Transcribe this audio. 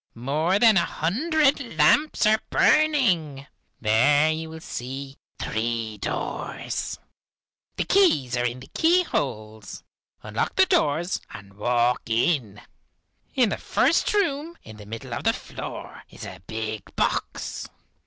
More than a hundred lamps are burning. There you will see three doors. The keys are in the keyholes. Unlock the doors and walk in. In the first room in the middle of the floor, is a big box.